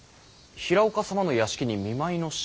平岡様の屋敷に見舞いの品？